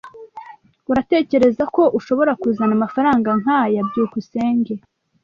Uratekereza ko ushobora kuzana amafaranga nkaya? byukusenge